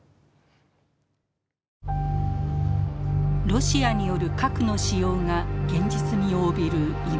ロシアによる核の使用が現実味を帯びる今。